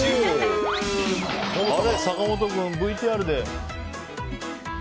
坂本君、ＶＴＲで。